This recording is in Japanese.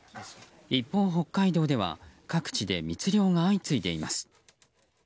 一方、北海道では各地で密漁が相次いでいます。